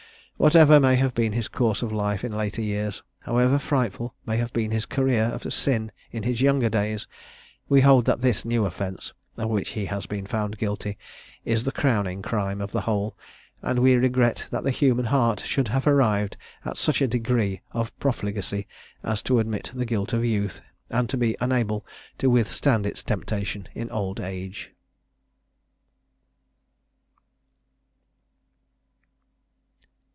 Whatever may have been his course of life in later years, however frightful may have been his career of sin in his younger days, we hold that this new offence, of which he has been found guilty, is the crowning crime of the whole; and we regret that the human heart should have arrived at such a degree of profligacy as to admit the guilt of youth, and to be unable to withstand its temptation, in old age.